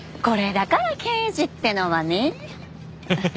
これだから刑事ってのはねえ。